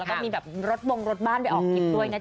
แล้วก็มีแบบรถบงรถบ้านไปออกคลิปด้วยนะคะ